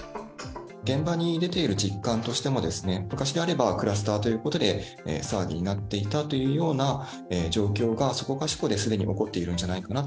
現場に出ている実感としても、昔であれば、クラスターということで騒ぎになっていたというような状況がそこかしこで、すでに起こっているんじゃないかな。